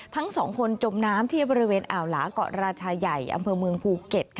ทั้งสองคนจมน้ำที่บริเวณอ่าวหลาเกาะราชาใหญ่อำเภอเมืองภูเก็ต